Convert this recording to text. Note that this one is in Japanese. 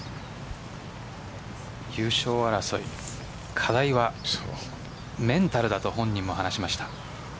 優勝争い課題はメンタルだと本人も話しました。